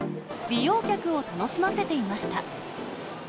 利用客を楽しませていました。